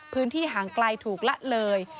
พื้นที่ห่างไกลถูกละเลย